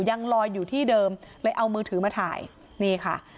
ยังลอยอยู่ที่เดิมเลยเอามือถือมาถ่ายนี่ค่ะ